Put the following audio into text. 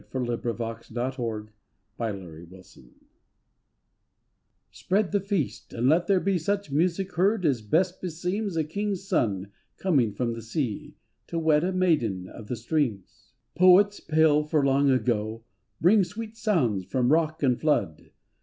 206 THE WEDDING MORNING Spread the feast, and let there be Such music heard as best beseems A king's son coming from the sea To wed a maiden of the streams. Poets, pale for long ago, Bring sweet sounds from rock and flood.